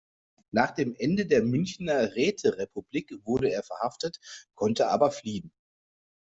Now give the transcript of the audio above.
Nach dem Ende der Münchner Räterepublik wurde er verhaftet, konnte aber fliehen.